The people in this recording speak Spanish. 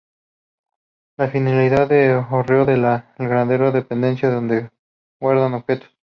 La finalidad del hórreo es la de granero y dependencia donde guardar objetos.